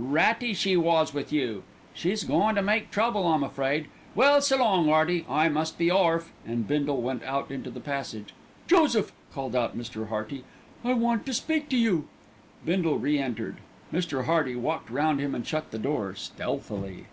"Ratty she was with you. She's goin' to make trouble, I'm afraid. Well, s'long 'Earty! I must be orf;" and Bindle went out into the passage. "Joseph," called out Mr. Hearty, "I want to speak to you." Bindle re entered. Mr. Hearty walked round him and shut the door stealthily.